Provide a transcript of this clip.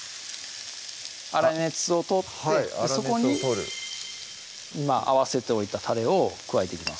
粗熱を取ってそこに今合わせておいたたれを加えていきます